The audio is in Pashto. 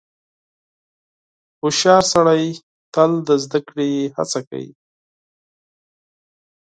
• هوښیار سړی تل د زدهکړې هڅه کوي.